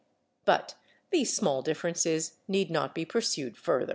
But these small differences need not be pursued further.